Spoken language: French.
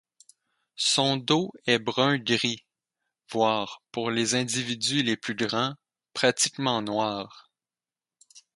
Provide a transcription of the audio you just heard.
Son dos est brun gris voire, pour les individus les plus grands, pratiquement noir.